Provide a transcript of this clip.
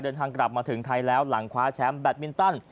เดินทางกลับมาถึงไทยแล้วหลังคว้าแชมป์แบตมินตัน